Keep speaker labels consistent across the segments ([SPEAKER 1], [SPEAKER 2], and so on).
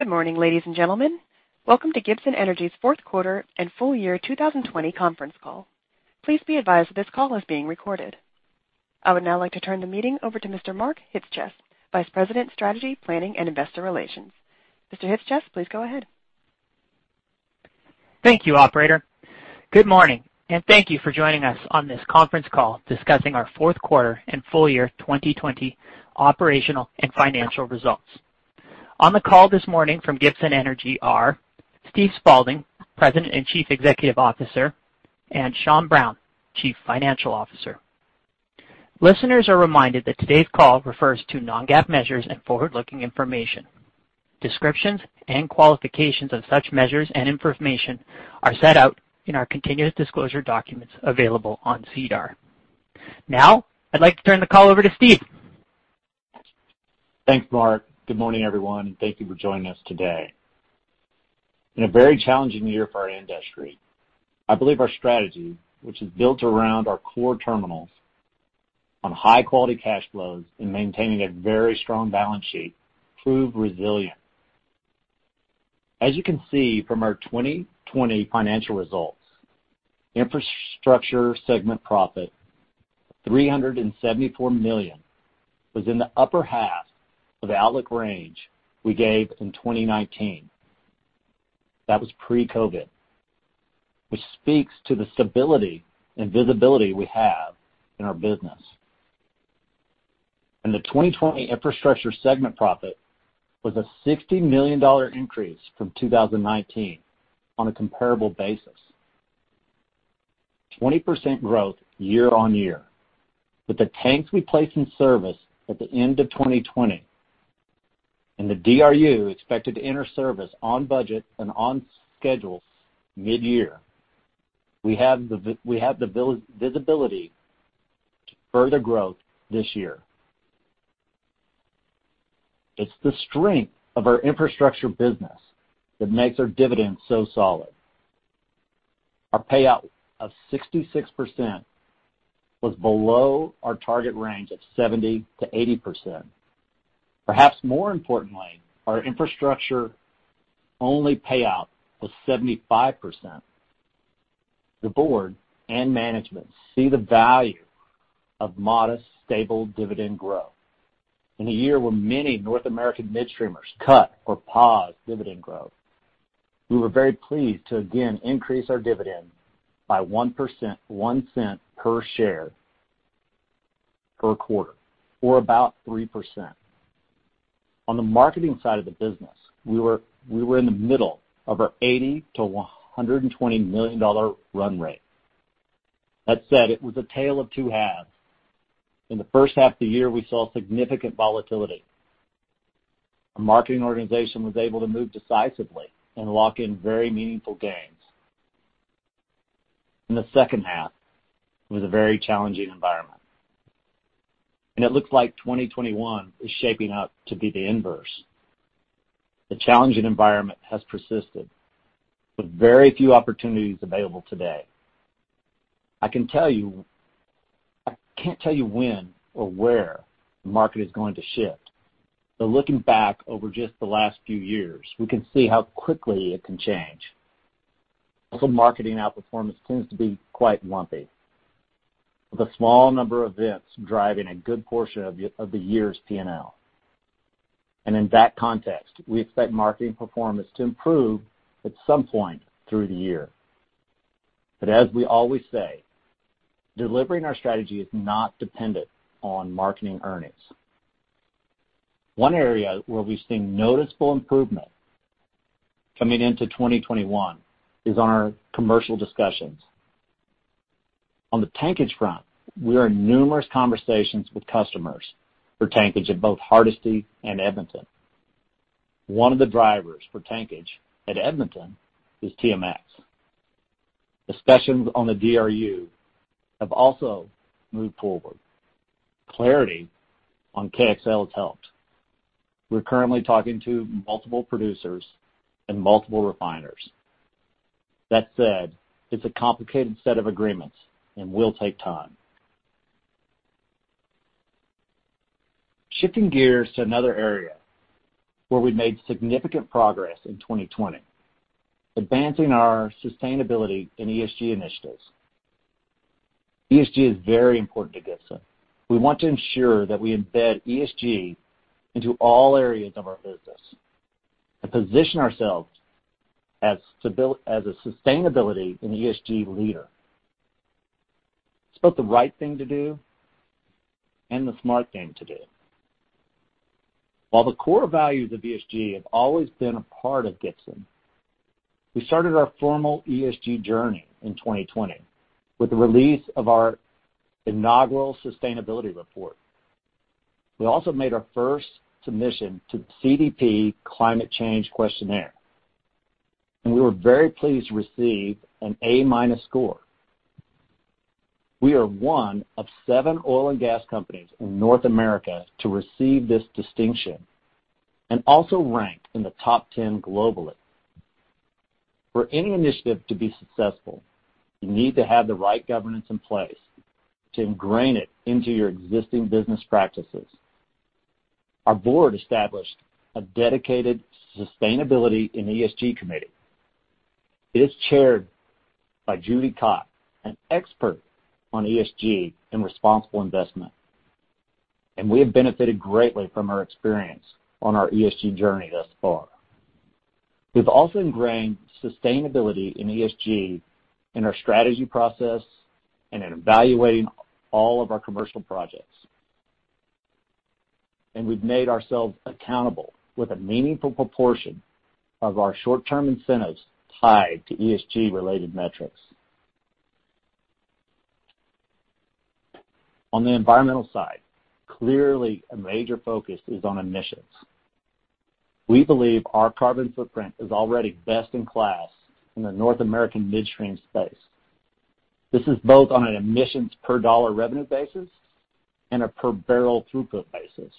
[SPEAKER 1] Good morning, ladies and gentlemen. Welcome to Gibson Energy's fourth quarter and full year 2020 conference call. Please be advised that this call is being recorded. I would now like to turn the meeting over to Mr. Mark Chyc-Cies, Vice President, Strategy, Planning & Investor Relations. Mr. Chyc-Cies, please go ahead.
[SPEAKER 2] Thank you, operator. Good morning, and thank you for joining us on this conference call discussing our fourth quarter and full year 2020 operational and financial results. On the call this morning from Gibson Energy are Steve Spaulding, President and Chief Executive Officer, and Sean Brown, Chief Financial Officer. Listeners are reminded that today's call refers to non-GAAP measures and forward-looking information. Descriptions and qualifications of such measures and information are set out in our continuous disclosure documents available on SEDAR. Now, I'd like to turn the call over to Steve.
[SPEAKER 3] Thanks, Mark. Good morning, everyone, thank you for joining us today. In a very challenging year for our industry, I believe our strategy, which is built around our core terminals on high-quality cash flows and maintaining a very strong balance sheet, proved resilient. As you can see from our 2020 financial results, Infrastructure segment profit, $374 million, was in the upper half of the outlook range we gave in 2019. That was pre-COVID, which speaks to the stability and visibility we have in our business. The 2020 Infrastructure segment profit was a $60 million increase from 2019 on a comparable basis. 20% growth year-over-year. With the tanks we placed in service at the end of 2020, the DRU expected to enter service on budget and on schedules mid-year, we have the visibility to further growth this year. It's the strength of our infrastructure business that makes our dividends so solid. Our payout of 66% was below our target range of 70%-80%. Perhaps more importantly, our infrastructure-only payout was 75%. The board and management see the value of modest, stable dividend growth. In a year where many North American mid-streamers cut or paused dividend growth, we were very pleased to again increase our dividend by 1%, $0.01 per share per quarter, or about 3%. On the marketing side of the business, we were in the middle of our $80 million-$120 million run rate. That said, it was a tale of two halves. In the first half of the year, we saw significant volatility. Our marketing organization was able to move decisively and lock in very meaningful gains. In the second half, it was a very challenging environment. It looks like 2021 is shaping up to be the inverse. The challenging environment has persisted, with very few opportunities available today. I can't tell you when or where the market is going to shift. Looking back over just the last few years, we can see how quickly it can change. Also, marketing outperformance tends to be quite lumpy, with a small number of events driving a good portion of the year's P&L. In that context, we expect marketing performance to improve at some point through the year. As we always say, delivering our strategy is not dependent on marketing earnings. One area where we've seen noticeable improvement coming into 2021 is on our commercial discussions. On the tankage front, we are in numerous conversations with customers for tankage at both Hardisty and Edmonton. One of the drivers for tankage at Edmonton is TMX. Discussions on the DRU have also moved forward. Clarity on KXL has helped. We're currently talking to multiple producers and multiple refiners. That said, it's a complicated set of agreements and will take time. Shifting gears to another area where we made significant progress in 2020, advancing our sustainability and ESG initiatives. ESG is very important to Gibson. We want to ensure that we embed ESG into all areas of our business and position ourselves as a sustainability and ESG leader. It's both the right thing to do and the smart thing to do. While the core values of ESG have always been a part of Gibson, we started our formal ESG journey in 2020 with the release of our inaugural sustainability report. We also made our first submission to the CDP climate change questionnaire, we were very pleased to receive an A- score. We are one of seven oil and gas companies in North America to receive this distinction, and also ranked in the top 10 globally. For any initiative to be successful, you need to have the right governance in place to ingrain it into your existing business practices. Our board established a dedicated sustainability and ESG committee. It is chaired by Judy Cotte, an expert on ESG and responsible investment, and we have benefited greatly from her experience on our ESG journey thus far. We've also ingrained sustainability and ESG in our strategy process and in evaluating all of our commercial projects. We've made ourselves accountable with a meaningful proportion of our short-term incentives tied to ESG-related metrics. On the environmental side, clearly a major focus is on emissions. We believe our carbon footprint is already best in class in the North American midstream space. This is both on an emissions per dollar revenue basis and a per barrel throughput basis.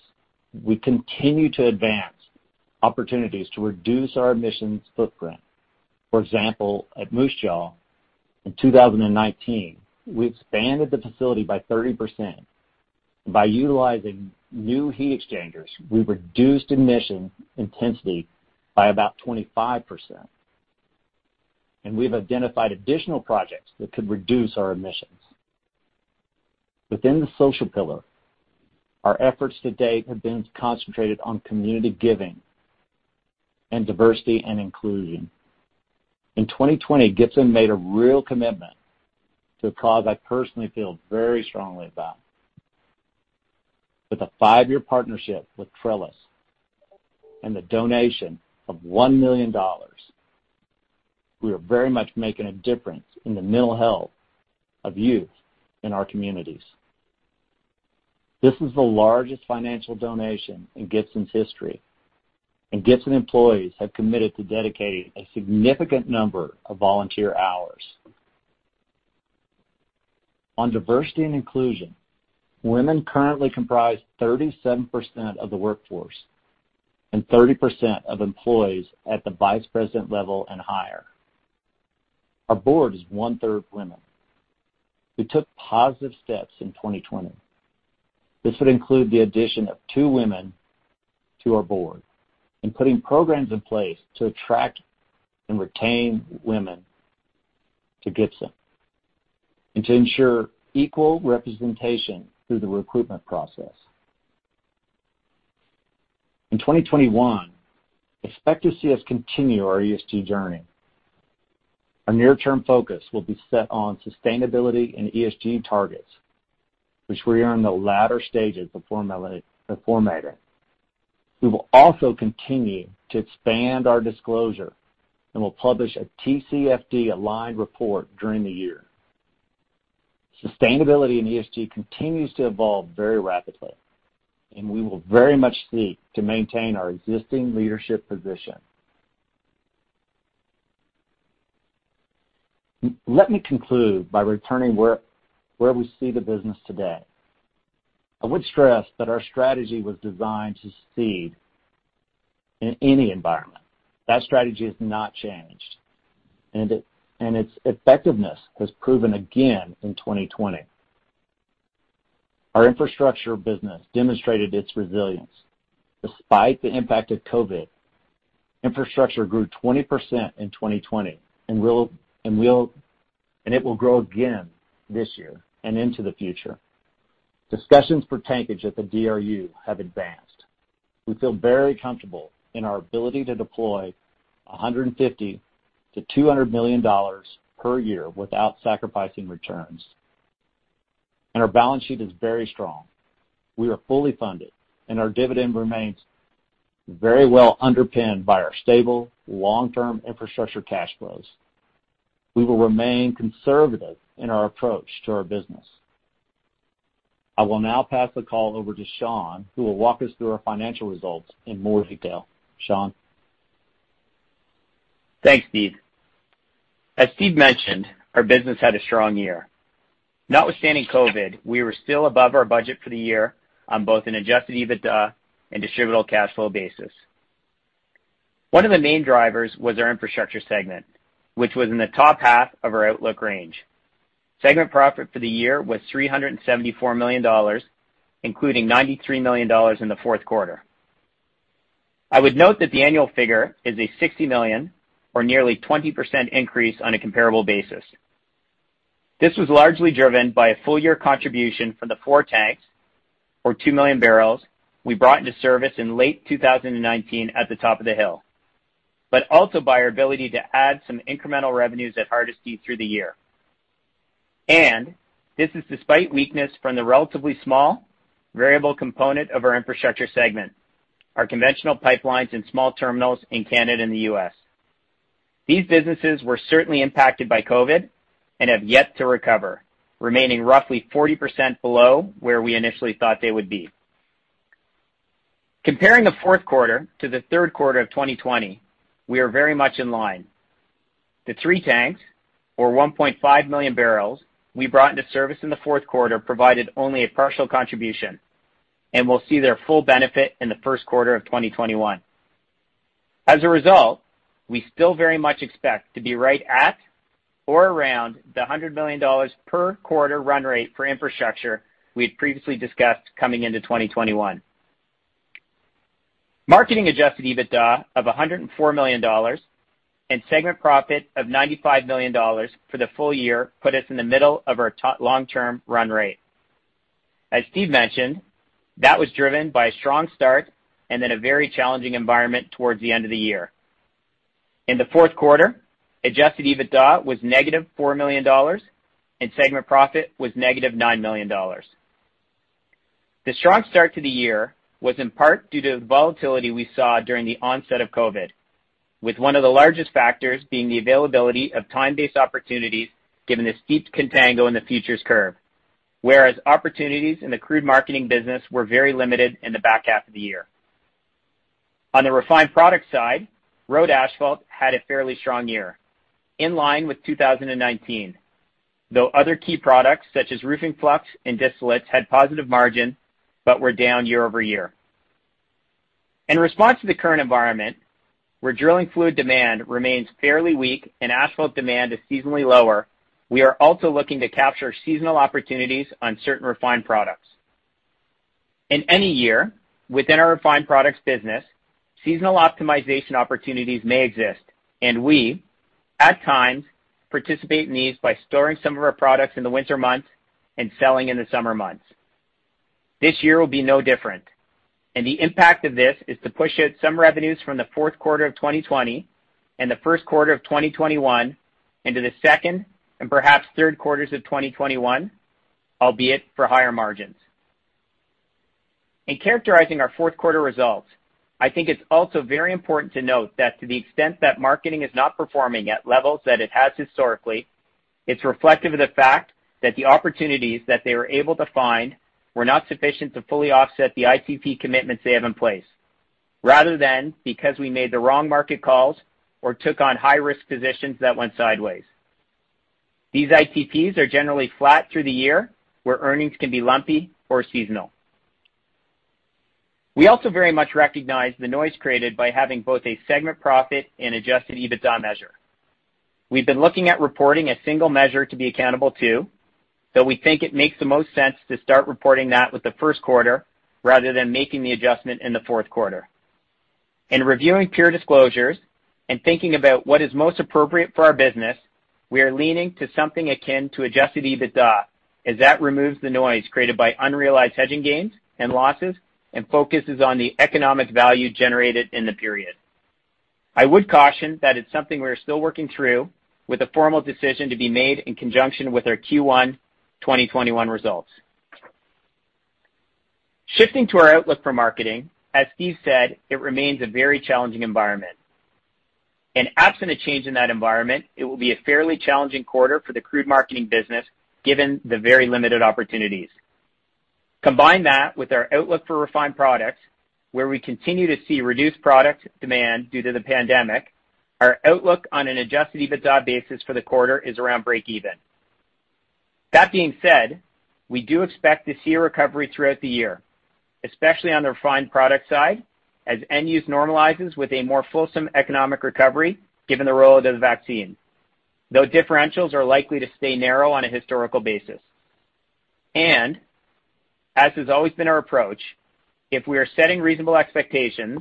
[SPEAKER 3] We continue to advance opportunities to reduce our emissions footprint. For example, at Moose Jaw in 2019, we expanded the facility by 30%. By utilizing new heat exchangers, we reduced emission intensity by about 25%, and we've identified additional projects that could reduce our emissions. Within the social pillar, our efforts to date have been concentrated on community giving and diversity and inclusion. In 2020, Gibson made a real commitment to a cause I personally feel very strongly about. With a five-year partnership with Trellis and the donation of $1 million, we are very much making a difference in the mental health of youth in our communities. This is the largest financial donation in Gibson's history, and Gibson employees have committed to dedicating a significant number of volunteer hours. On diversity and inclusion, women currently comprise 37% of the workforce and 30% of employees at the vice president level and higher. Our board is 1/3 women. We took positive steps in 2020. This would include the addition of two women to our board and putting programs in place to attract and retain women to Gibson and to ensure equal representation through the recruitment process. In 2021, expect to see us continue our ESG journey. Our near-term focus will be set on sustainability and ESG targets, which we are in the latter stages of formatting. We will also continue to expand our disclosure, and we'll publish a TCFD-aligned report during the year. Sustainability and ESG continues to evolve very rapidly, and we will very much seek to maintain our existing leadership position. Let me conclude by returning where we see the business today. I would stress that our strategy was designed to succeed in any environment. That strategy has not changed, and its effectiveness was proven again in 2020. Our infrastructure business demonstrated its resilience. Despite the impact of COVID, infrastructure grew 20% in 2020, and it will grow again this year and into the future. Discussions for tankage at the DRU have advanced. We feel very comfortable in our ability to deploy $150 million-$200 million per year without sacrificing returns. Our balance sheet is very strong. We are fully funded, and our dividend remains very well underpinned by our stable, long-term infrastructure cash flows. We will remain conservative in our approach to our business. I will now pass the call over to Sean, who will walk us through our financial results in more detail. Sean?
[SPEAKER 4] Thanks, Steve. As Steve mentioned, our business had a strong year. Notwithstanding COVID, we were still above our budget for the year on both an adjusted EBITDA and distributable cash flow basis. One of the main drivers was our infrastructure segment, which was in the top half of our outlook range. Segment profit for the year was $374 million, including $93 million in the fourth quarter. I would note that the annual figure is a $60 million or nearly 20% increase on a comparable basis. This was largely driven by a full-year contribution from the four tanks or 2 million bbl we brought into service in late 2019 at the top of the hill, but also by our ability to add some incremental revenues at Hardisty through the year. This is despite weakness from the relatively small variable component of our infrastructure segment, our conventional pipelines and small terminals in Canada and the U.S. These businesses were certainly impacted by COVID and have yet to recover, remaining roughly 40% below where we initially thought they would be. Comparing the fourth quarter to the third quarter of 2020, we are very much in line. The three tanks or 1.5 million bbl we brought into service in the fourth quarter provided only a partial contribution. We'll see their full benefit in the first quarter of 2021. We still very much expect to be right at or around the $100 million per quarter run rate for infrastructure we had previously discussed coming into 2021. Marketing adjusted EBITDA of $104 million and segment profit of $95 million for the full year put us in the middle of our long-term run rate. As Steve mentioned, that was driven by a strong start and then a very challenging environment towards the end of the year. In the fourth quarter, adjusted EBITDA was -$4 million, and segment profit was -$9 million. The strong start to the year was in part due to the volatility we saw during the onset of COVID, with one of the largest factors being the availability of time-based opportunities, given the steep contango in the futures curve. Whereas opportunities in the crude marketing business were very limited in the back half of the year. On the refined product side, road asphalt had a fairly strong year, in line with 2019, though other key products such as roofing flux and distillates had positive margin, but were down year-over-year. In response to the current environment, where drilling fluid demand remains fairly weak and asphalt demand is seasonally lower, we are also looking to capture seasonal opportunities on certain refined products. In any year within our refined products business, seasonal optimization opportunities may exist, and we, at times, participate in these by storing some of our products in the winter months and selling in the summer months. This year will be no different, and the impact of this is to push out some revenues from the fourth quarter of 2020 and the first quarter of 2021 into the second and perhaps third quarters of 2021, albeit for higher margins. In characterizing our fourth quarter results, I think it's also very important to note that to the extent that marketing is not performing at levels that it has historically, it's reflective of the fact that the opportunities that they were able to find were not sufficient to fully offset the ICP commitments they have in place, rather than because we made the wrong market calls or took on high-risk positions that went sideways. These ICPs are generally flat through the year, where earnings can be lumpy or seasonal. We also very much recognize the noise created by having both a segment profit and adjusted EBITDA measure. We've been looking at reporting a single measure to be accountable to, though we think it makes the most sense to start reporting that with the first quarter rather than making the adjustment in the fourth quarter. In reviewing peer disclosures and thinking about what is most appropriate for our business, we are leaning to something akin to adjusted EBITDA, as that removes the noise created by unrealized hedging gains and losses and focuses on the economic value generated in the period. I would caution that it's something we are still working through with a formal decision to be made in conjunction with our Q1 2021 results. Shifting to our outlook for marketing, as Steve said, it remains a very challenging environment. Absent a change in that environment, it will be a fairly challenging quarter for the crude marketing business, given the very limited opportunities. Combine that with our outlook for refined products, where we continue to see reduced product demand due to the pandemic, our outlook on an Adjusted EBITDA basis for the quarter is around break even. That being said, we do expect to see a recovery throughout the year, especially on the refined product side, as end use normalizes with a more fulsome economic recovery given the role of the vaccine. Though differentials are likely to stay narrow on a historical basis. As has always been our approach, if we are setting reasonable expectations,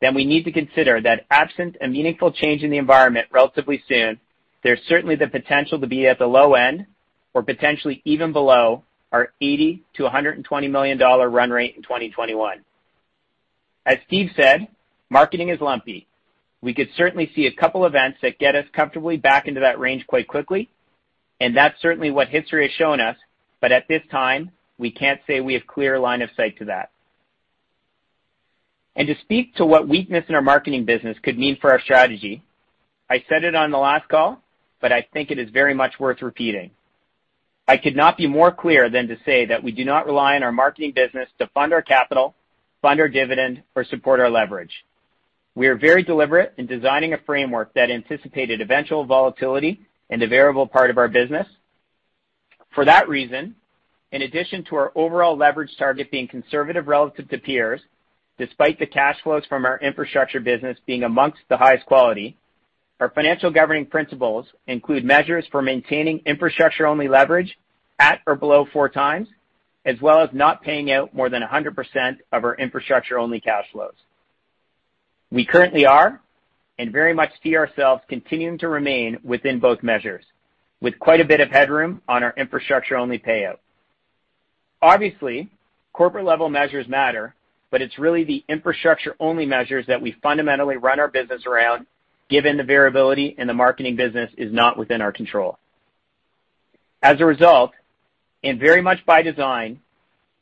[SPEAKER 4] then we need to consider that absent a meaningful change in the environment relatively soon, there's certainly the potential to be at the low end or potentially even below our $80 million-$120 million run rate in 2021. As Steve said, marketing is lumpy. We could certainly see a couple events that get us comfortably back into that range quite quickly, and that's certainly what history has shown us. But at this time, we can't say we have clear line of sight to that. To speak to what weakness in our marketing business could mean for our strategy, I said it on the last call, but I think it is very much worth repeating. I could not be more clear than to say that we do not rely on our marketing business to fund our capital, fund our dividend or support our leverage. We are very deliberate in designing a framework that anticipated eventual volatility in the variable part of our business. For that reason, in addition to our overall leverage target being conservative relative to peers, despite the cash flows from our infrastructure business being amongst the highest quality, our financial governing principles include measures for maintaining infrastructure only leverage at or below four times, as well as not paying out more than 100% of our infrastructure-only cash flows. We currently are and very much see ourselves continuing to remain within both measures, with quite a bit of headroom on our infrastructure-only payout. Obviously, corporate level measures matter, but it's really the infrastructure-only measures that we fundamentally run our business around, given the variability in the marketing business is not within our control. As a result, very much by design,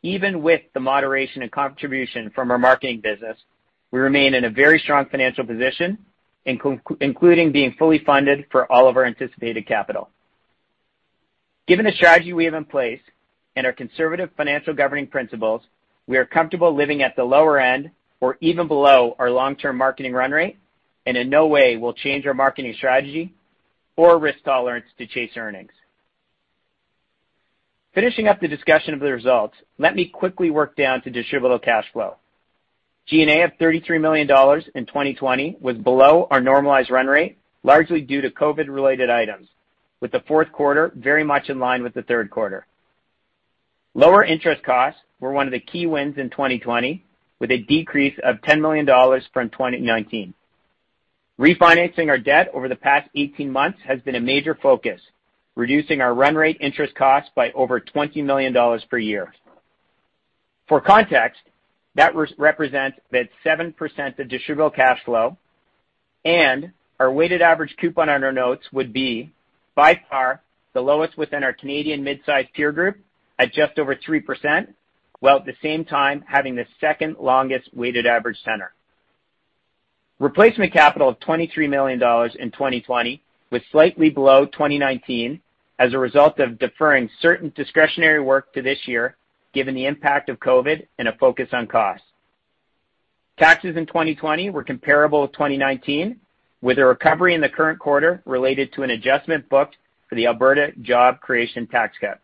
[SPEAKER 4] even with the moderation and contribution from our marketing business, we remain in a very strong financial position, including being fully funded for all of our anticipated capital. Given the strategy we have in place and our conservative financial governing principles, we are comfortable living at the lower end or even below our long-term marketing run rate, in no way will change our marketing strategy or risk tolerance to chase earnings. Finishing up the discussion of the results, let me quickly work down to distributable cash flow. G&A of $33 million in 2020 was below our normalized run rate, largely due to COVID-related items, with the fourth quarter very much in line with the third quarter. Lower interest costs were one of the key wins in 2020, with a decrease of $10 million from 2019. Refinancing our debt over the past 18 months has been a major focus, reducing our run rate interest costs by over $20 million per year. For context, that represents about 7% of distributable cash flow and our weighted average coupon on our notes would be by far the lowest within our Canadian mid-sized peer group at just over 3%, while at the same time having the second longest weighted average tenure. Replacement capital of $23 million in 2020 was slightly below 2019 as a result of deferring certain discretionary work to this year, given the impact of COVID and a focus on cost. Taxes in 2020 were comparable to 2019, with a recovery in the current quarter related to an adjustment booked for the Alberta Job Creation Tax Cut.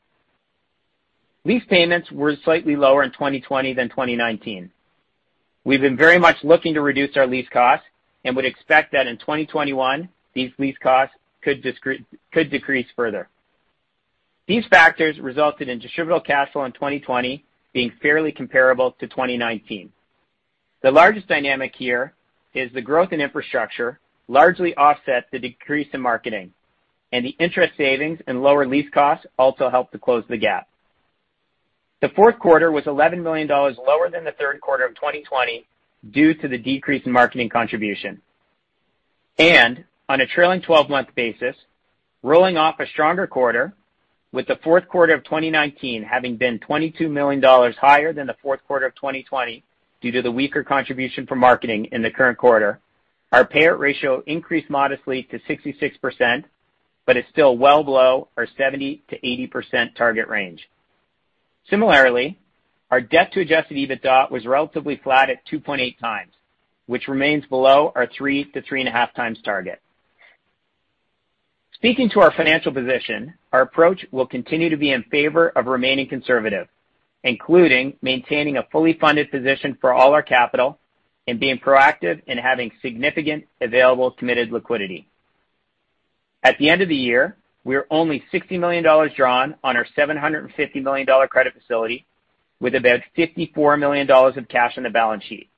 [SPEAKER 4] Lease payments were slightly lower in 2020 than 2019. We've been very much looking to reduce our lease costs and would expect that in 2021, these lease costs could decrease further. These factors resulted in distributable cash flow in 2020 being fairly comparable to 2019. The largest dynamic here is the growth in infrastructure largely offset the decrease in marketing, and the interest savings and lower lease costs also helped to close the gap. The fourth quarter was $11 million lower than the third quarter of 2020 due to the decrease in marketing contribution. On a trailing 12-month basis, rolling off a stronger quarter, with the fourth quarter of 2019 having been $22 million higher than the fourth quarter of 2020 due to the weaker contribution from marketing in the current quarter. Our payout ratio increased modestly to 66%, but is still well below our 70%-80% target range. Similarly, our debt to Adjusted EBITDA was relatively flat at 2.8 times, which remains below our 3-3.5 times target. Speaking to our financial position, our approach will continue to be in favor of remaining conservative, including maintaining a fully funded position for all our capital and being proactive in having significant available committed liquidity. At the end of the year, we are only $60 million drawn on our $750 million credit facility with about $54 million of cash on the balance sheet,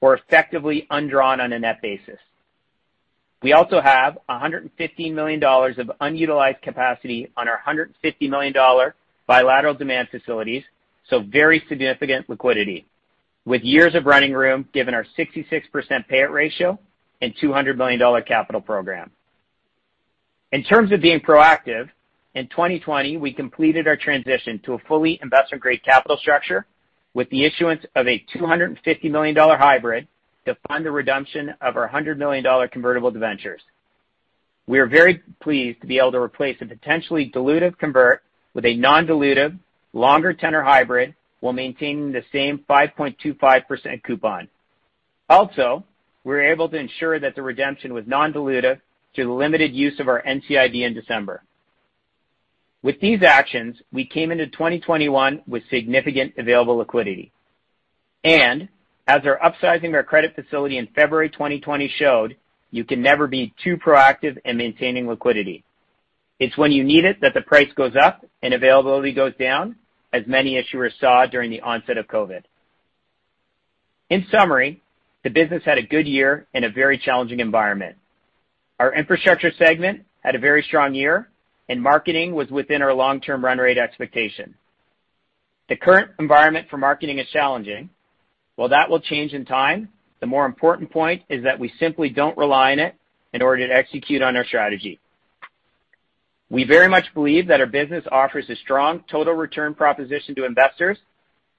[SPEAKER 4] or effectively undrawn on a net basis. We also have $115 million of unutilized capacity on our $150 million bilateral demand facilities, so very significant liquidity, with years of running room given our 66% payout ratio and $200 million capital program. In terms of being proactive, in 2020, we completed our transition to a fully investment-grade capital structure with the issuance of a $250 million hybrid to fund the redemption of our $100 million convertible debentures. We are very pleased to be able to replace a potentially dilutive convert with a non-dilutive, longer tenor hybrid while maintaining the same 5.25% coupon. Also, we're able to ensure that the redemption was non-dilutive through the limited use of our NCIB in December. With these actions, we came into 2021 with significant available liquidity. As our upsizing our credit facility in February 2020 showed, you can never be too proactive in maintaining liquidity. It's when you need it that the price goes up and availability goes down, as many issuers saw during the onset of COVID. In summary, the business had a good year in a very challenging environment. Our infrastructure segment had a very strong year, and marketing was within our long-term run rate expectation. The current environment for marketing is challenging. While that will change in time, the more important point is that we simply don't rely on it in order to execute on our strategy. We very much believe that our business offers a strong total return proposition to investors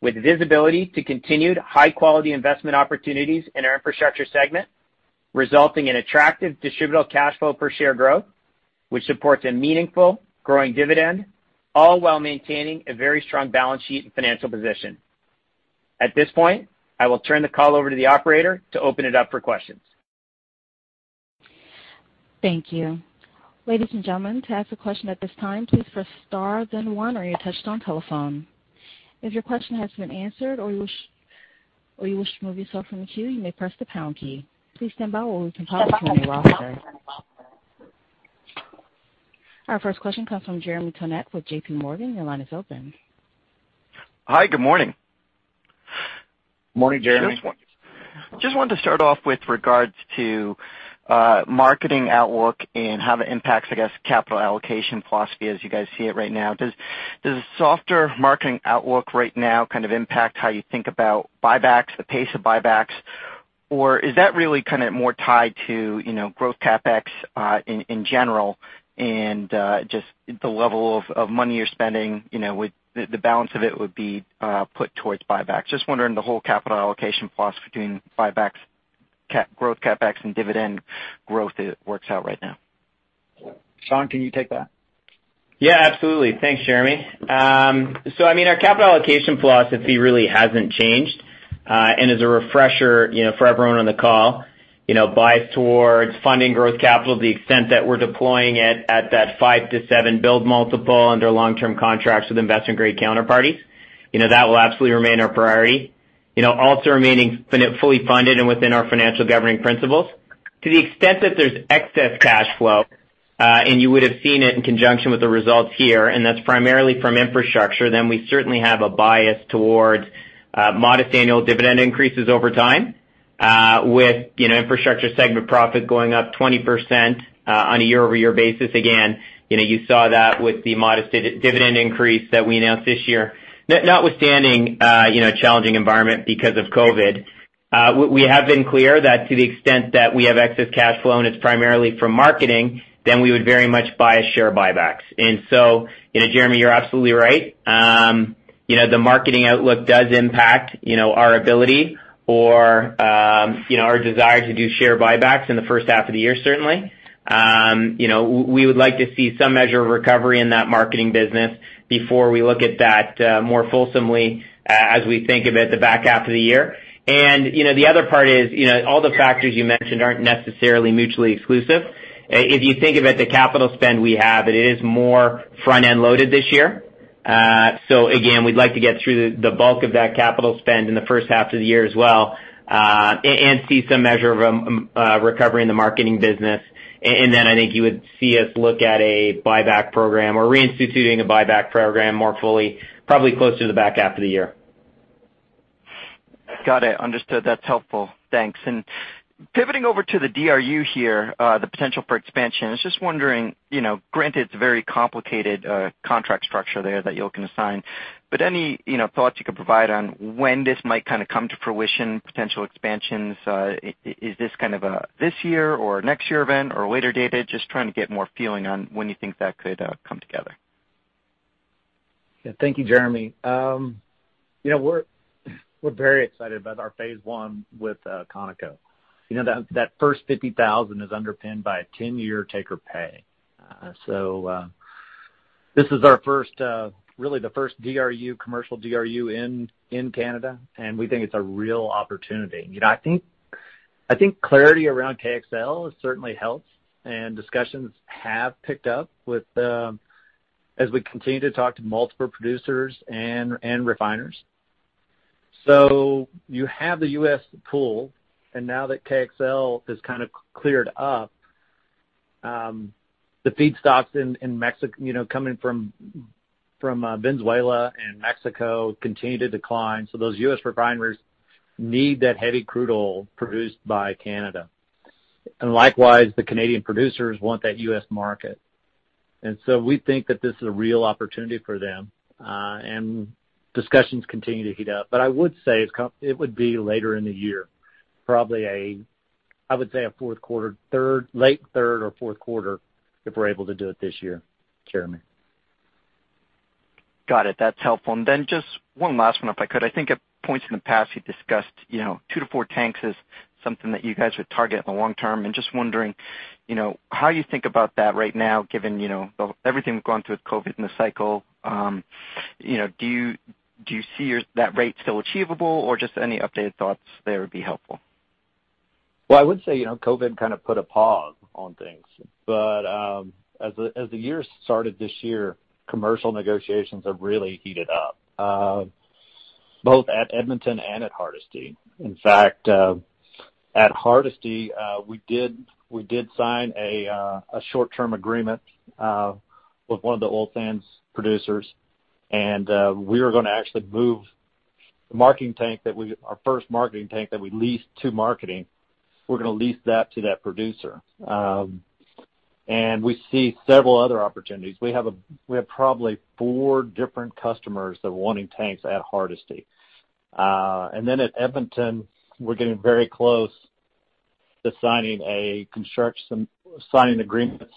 [SPEAKER 4] with visibility to continued high-quality investment opportunities in our infrastructure segment, resulting in attractive distributable cash flow per share growth, which supports a meaningful growing dividend, all while maintaining a very strong balance sheet and financial position. At this point, I will turn the call over to the operator to open it up for questions.
[SPEAKER 1] Thank you. Ladies and gentlemen, to ask a question at this time, please press star then one on your touchtone telephone. If your question has been answered or you wish to remove yourself from the queue, you may press the pound key. Please stand by while we compile an attendee roster. Our first question comes from Jeremy Tonet with JPMorgan. Your line is open.
[SPEAKER 4] Morning, Jeremy.
[SPEAKER 5] Just wanted to start off with regards to marketing outlook and how that impacts, I guess, capital allocation philosophy as you guys see it right now. Does the softer marketing outlook right now kind of impact how you think about buybacks, the pace of buybacks? Or is that really kind of more tied to growth CapEx, in general and, just the level of money you're spending, the balance of it would be put towards buybacks. Just wondering the whole capital allocation philosophy between buybacks, growth CapEx, and dividend growth as it works out right now.
[SPEAKER 3] Sean, can you take that?
[SPEAKER 4] Yeah, absolutely. Thanks, Jeremy. Our capital allocation philosophy really hasn't changed. As a refresher for everyone on the call, bias towards funding growth capital to the extent that we're deploying it at that five to seven build multiple under long-term contracts with investment-grade counterparties. That will absolutely remain our priority. Also remaining fully funded and within our financial governing principles. To the extent that there's excess cash flow, and you would've seen it in conjunction with the results here, and that's primarily from infrastructure, then we certainly have a bias towards modest annual dividend increases over time. With infrastructure segment profit going up 20% on a year-over-year basis again, you saw that with the modest dividend increase that we announced this year. Notwithstanding a challenging environment because of COVID. We have been clear that to the extent that we have excess cash flow and it's primarily from marketing, then we would very much buy share buybacks. So, Jeremy, you're absolutely right. The marketing outlook does impact our ability or our desire to do share buybacks in the first half of the year, certainly. We would like to see some measure of recovery in that marketing business before we look at that more fulsomely, as we think of it the back half of the year. The other part is all the factors you mentioned aren't necessarily mutually exclusive. If you think about the capital spend we have, it is more front-end loaded this year. Again, we'd like to get through the bulk of that capital spend in the first half of the year as well, and see some measure of recovery in the marketing business. I think you would see us look at a buyback program or reinstituting a buyback program more fully, probably closer to the back half of the year.
[SPEAKER 5] Got it. Understood. That's helpful. Thanks. Pivoting over to the DRU here, the potential for expansion. I was just wondering, granted it's a very complicated contract structure there that you all can assign, but any thoughts you could provide on when this might kind of come to fruition, potential expansions? Is this kind of a this year or next year event or later, [inaudible] Just trying to get more feeling on when you think that could come together.
[SPEAKER 3] Yeah. Thank you, Jeremy. We're very excited about our phase one with Cenovus. That first 50,000 is underpinned by a 10-year take or pay. This is really the first commercial DRU in Canada, and we think it's a real opportunity. I think clarity around KXL certainly helps, and discussions have picked up as we continue to talk to multiple producers and refiners. So, you have the U.S. pool, now that KXL has kind of cleared up, the feedstocks coming from Venezuela and Mexico continue to decline. Those U.S. refiners need that heavy crude oil produced by Canada. Likewise, the Canadian producers want that U.S. market. We think that this is a real opportunity for them. Discussions continue to heat up. I would say it would be later in the year, probably, I would say, a late third or fourth quarter, if we're able to do it this year, Jeremy.
[SPEAKER 5] Got it. That's helpful. Just one last one, if I could. I think at points in the past you discussed two tanks to four tanks is something that you guys would target in the long term. I'm just wondering how you think about that right now, given everything we've gone through with COVID and the cycle. Do you see that rate still achievable or just any updated thoughts there would be helpful.
[SPEAKER 3] Well, I would say COVID kind of put a pause on things. As the year started this year, commercial negotiations have really heated up, both at Edmonton and at Hardisty. In fact, at Hardisty, we did sign a short-term agreement with one of the oil sands producers. We are going to actually move our first marketing tank that we leased to marketing. We're going to lease that to that producer. We see several other opportunities. We have probably four different customers that are wanting tanks at Hardisty. At Edmonton, we're getting very close to signing agreements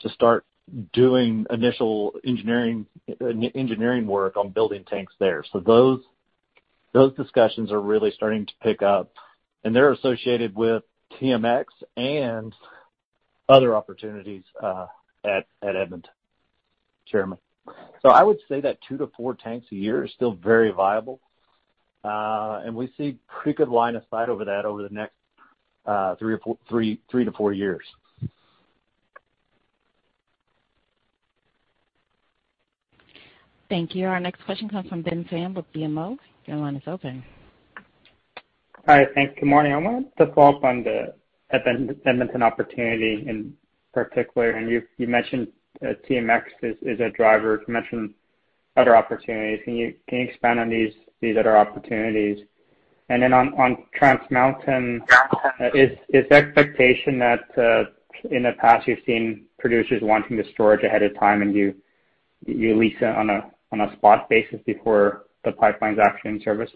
[SPEAKER 3] to start doing initial engineering work on building tanks there. Those discussions are really starting to pick up. They're associated with TMX and other opportunities at Edmonton, Jeremy. I would say that two tanks to four tanks a year is still very viable. We see pretty good line of sight over that over the next three years to four years.
[SPEAKER 1] Thank you. Our next question comes from Benjamin Pham with BMO. Your line is open.
[SPEAKER 6] Hi. Thanks. Good morning. I wanted to follow up on the Edmonton opportunity in particular, and you mentioned TMX is a driver. You mentioned other opportunities. Can you expand on these other opportunities? Then on Trans Mountain, is the expectation that in the past you've seen producers wanting the storage ahead of time, and you lease it on a spot basis before the pipeline's actually in service?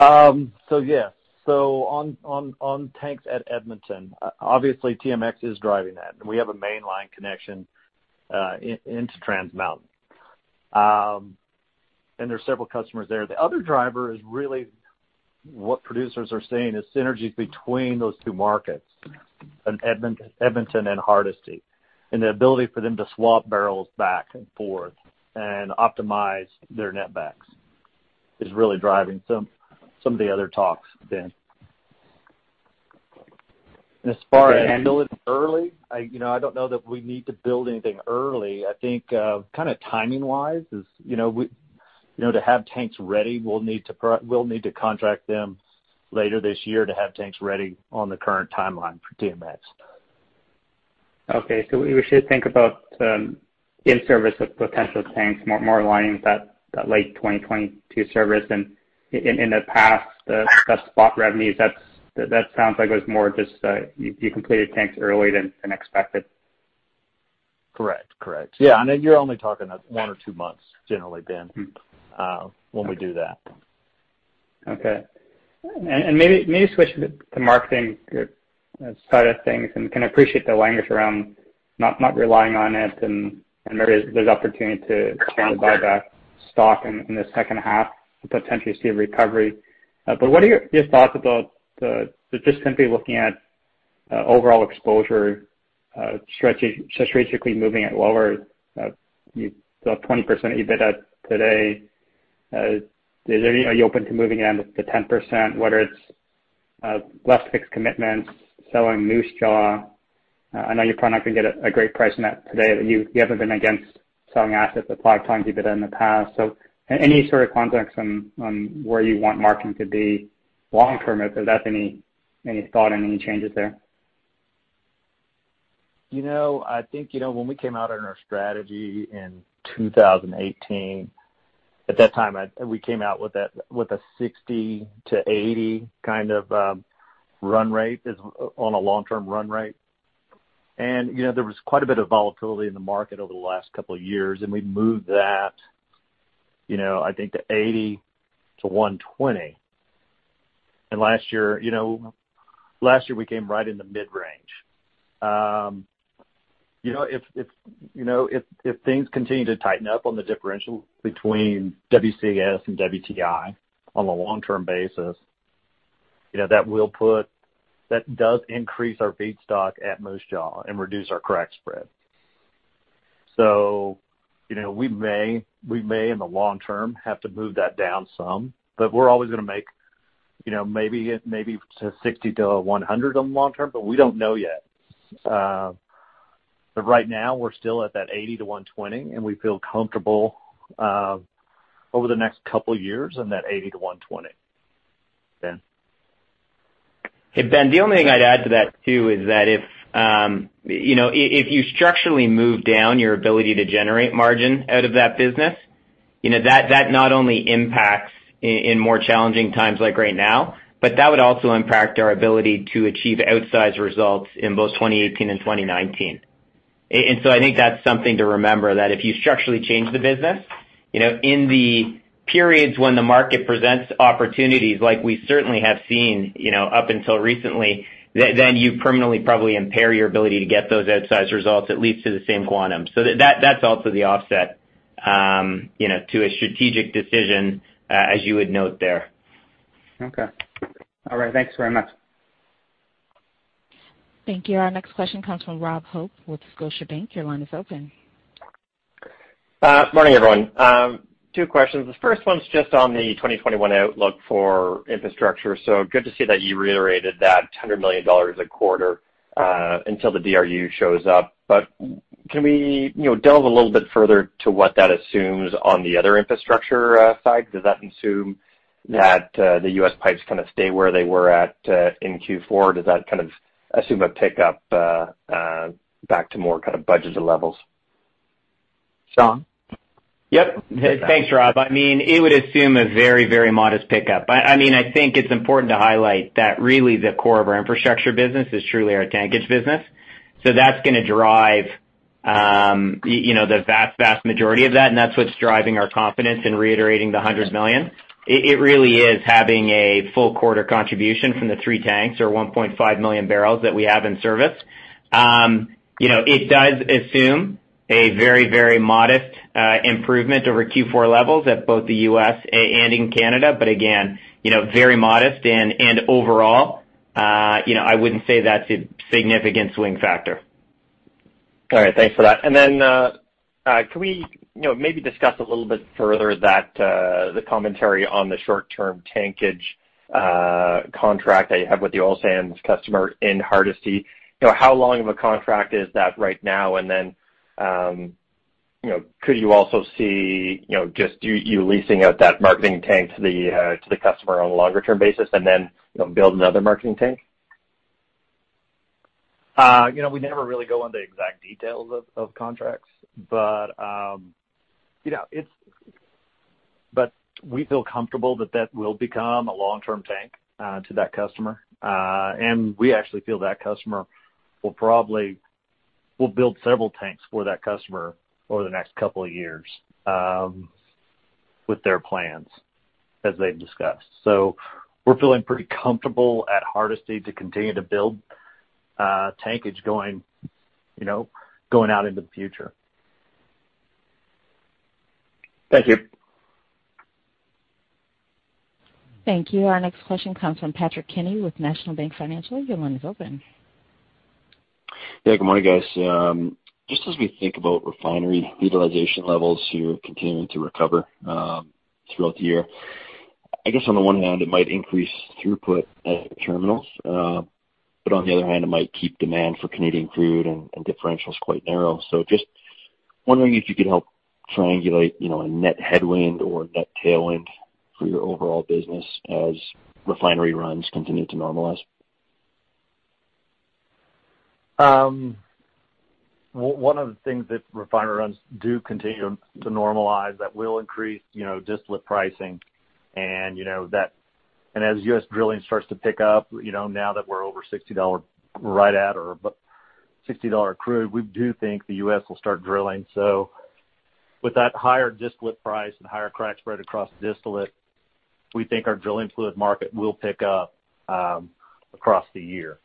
[SPEAKER 3] Yeah. On tanks at Edmonton, obviously TMX is driving that. We have a mainline connection into Trans Mountain. There are several customers there. The other driver is really what producers are seeing as synergies between those two markets, in Edmonton and Hardisty, the ability for them to swap barrels back and forth and optimize their netbacks is really driving some of the other talks, Ben. As far as handling early, I don't know that we need to build anything early. I think timing-wise, to have tanks ready, we'll need to contract them later this year to have tanks ready on the current timeline for TMX.
[SPEAKER 6] We should think about the in-service of potential tanks, more aligned with that late 2022 service. In the past, the spot revenues, that sounds like it was more just you completed tanks early than expected.
[SPEAKER 3] Correct. Yeah. You're only talking one month or two months, generally, Ben. When we do that.
[SPEAKER 6] Okay. Maybe switching to marketing side of things, and can appreciate the language around not relying on it and there's opportunity to buy back stock in the second half to potentially see a recovery. What are your thoughts about the discipline looking at overall exposure, strategically moving it lower? The 20% EBITDA today, are you open to moving it to 10%, whether it's less fixed commitments, selling Moose Jaw? I know you're probably not going to get a great price on that today. You haven't been against selling assets at the right times. You've done it in the past. Any sort of context on where you want marketing to be long term, if there's any thought, any changes there?
[SPEAKER 3] I think when we came out on our strategy in 2018, at that time, we came out with a $60 million-$80 million kind of run rate on a long-term run rate. There was quite a bit of volatility in the market over the last couple of years, and we moved that, I think, to $80 million-$120 million. Last year, we came right in the mid-range. If things continue to tighten up on the differential between WCS and WTI on a long-term basis, that does increase our feedstock at Moose Jaw and reduce our crack spread. We may, in the long term, have to move that down some, but we're always going to make maybe to $60 million-$100 million on the long term, but we don't know yet. Right now, we're still at that $80 million-$120 million, and we feel comfortable over the next couple of years in that $80 million-$120 million, Ben.
[SPEAKER 4] Hey, Ben, the only thing I'd add to that, too, is that if you structurally move down your ability to generate margin out of that business, that not only impacts in more challenging times like right now, but that would also impact our ability to achieve outsized results in both 2018 and 2019. I think that's something to remember, that if you structurally change the business, in the periods when the market presents opportunities like we certainly have seen up until recently, then you permanently probably impair your ability to get those outsized results, at least to the same quantum. That's also the offset to a strategic decision, as you would note there.
[SPEAKER 6] Okay. All right. Thanks very much.
[SPEAKER 1] Thank you. Our next question comes from Robert Hope with Scotiabank. Your line is open.
[SPEAKER 7] Morning, everyone. Two questions. The first one's just on the 2021 outlook for infrastructure. Good to see that you reiterated that $100 million a quarter until the DRU shows up. Can we delve a little bit further to what that assumes on the other infrastructure side? Does that assume that the U.S. pipes kind of stay where they were at in Q4? Does that assume a pickup back to more budgeted levels?
[SPEAKER 3] Sean?
[SPEAKER 4] Thanks, Rob. It would assume a very modest pickup. I think it's important to highlight that really the core of our infrastructure business is truly our tankage business. That's going to drive the vast majority of that, and that's what's driving our confidence in reiterating the $100 million. It really is having a full quarter contribution from the three tanks or 1.5 million bbl that we have in service. It does assume a very modest improvement over Q4 levels at both the U.S. and in Canada. Again, very modest, and overall, I wouldn't say that's a significant swing factor.
[SPEAKER 7] All right. Thanks for that. Can we maybe discuss a little bit further the commentary on the short-term tankage contract that you have with the oil sands customer in Hardisty? How long of a contract is that right now? Could you also see just you leasing out that marketing tank to the customer on a longer-term basis and then build another marketing tank?
[SPEAKER 3] We never really go into exact details of contracts. But we feel comfortable that that will become a long-term tank to that customer. We actually feel that customer we'll build several tanks for that customer over the next couple of years with their plans, as they've discussed. We're feeling pretty comfortable at Hardisty to continue to build tankage going out into the future.
[SPEAKER 7] Thank you.
[SPEAKER 1] Thank you. Our next question comes from Patrick Kenny with National Bank Financial. Your line is open.
[SPEAKER 8] Yeah. Good morning, guys. Just as we think about refinery utilization levels here continuing to recover throughout the year, I guess on the one hand, it might increase throughput at terminals. On the other hand, it might keep demand for Canadian crude and differentials quite narrow. Just wondering if you could help triangulate a net headwind or a net tailwind for your overall business as refinery runs continue to normalize.
[SPEAKER 3] One of the things that refinery runs do continue to normalize that will increase distillate pricing, and as U.S. drilling starts to pick up now that we're over $60 crude, we do think the U.S. will start drilling. So with that higher distillate price and higher crack spread across distillate, we think our drilling fluid market will pick up across the year.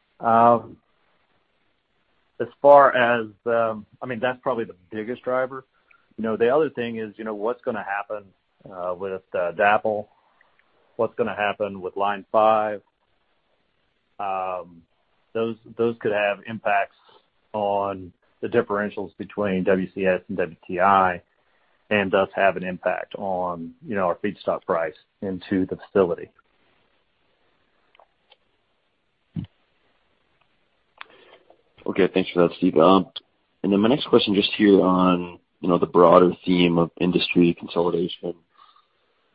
[SPEAKER 3] That's probably the biggest driver. The other thing is, what's going to happen with DAPL? What's going to happen with Line 5? Those could have impacts on the differentials between WCS and WTI and thus have an impact on our feedstock price into the facility.
[SPEAKER 8] Okay. Thanks for that, Steve. My next question just here on the broader theme of industry consolidation,